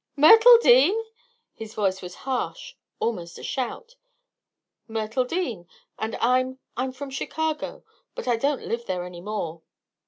"Myrtle Dean!" His voice was harsh; almost a shout. "Myrtle Dean. And I I'm from Chicago; but I don't live there any more."